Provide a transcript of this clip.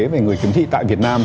về người khiếm thị tại việt nam